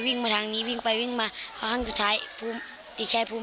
วิ่งมาทางนี้วิ่งไปวิ่งมาเพราะครั้งสุดท้ายพูด